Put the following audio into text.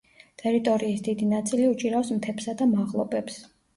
ტერიტორიის დიდი ნაწილი უჭირავს მთებსა და მაღლობებს.